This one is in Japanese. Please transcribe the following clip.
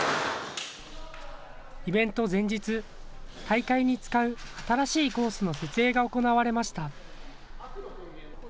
イベント前日、大会に使う新しいコースの設営が行われました。